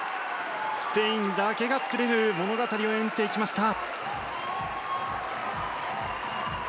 スペインだけが作れる物語を演じていきました。